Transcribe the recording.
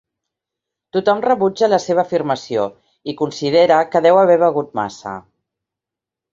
Tothom rebutja la seva afirmació i considera que deu haver begut massa.